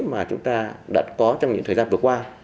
mà chúng ta đã có trong những thời gian vừa qua